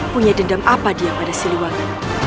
punya dendam apa dia pada si lewangi